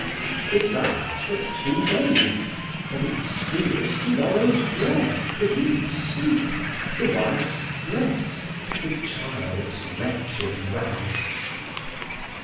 It lasts but two days, but it steals to morrow's bread, the week's soup, the wife's dress, the child's wretched rags.